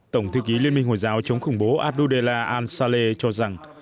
tổng thư ký liên minh hồi giáo chống khủng bố abdullah al saleh cho rằng